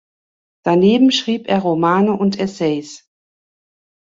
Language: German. Daneben schrieb er Romane und Essays.